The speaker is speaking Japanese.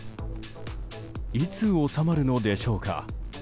いつ収まるのでしょうか。